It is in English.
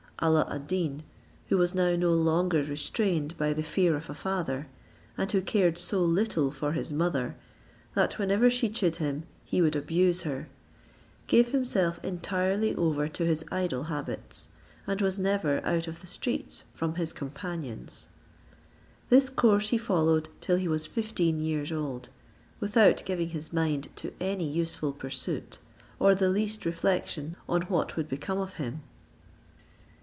Alla ad Deen, who was now no longer restrained by the fear of a father, and who cared so little for his mother, that whenever she chid him, he would abuse her, gave himself entirely over to his idle habits, and was never out of the streets from his companions. This course he followed till he was fifteen years old, without giving his mind to any useful pursuit, or the least reflection on what would become of him.